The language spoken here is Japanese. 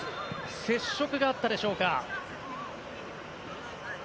接触があったでしょうか。